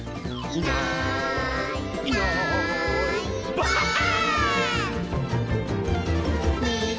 「いないいないばあっ！」